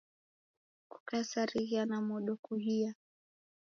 Kukasarighia na modo kuhia